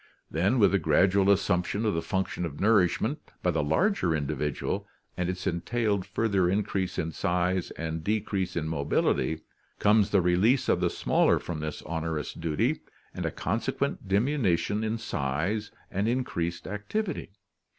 Then with the gradual assumption of the function of nourishment by the larger individual, and its entailed further increase in size and decrease in mobility, comes the release of the smaller from this onerous duty and a con sequent diminution in size and increased activity.